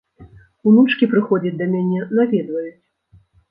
Унучкі прыходзяць да мяне, наведваюць.